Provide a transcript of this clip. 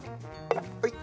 はい。